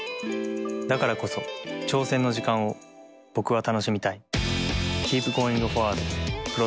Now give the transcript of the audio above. だからこそ挑戦の時間を僕は楽しみたい。